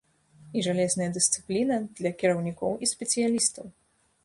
І жалезная дысцыпліна для кіраўнікоў і спецыялістаў!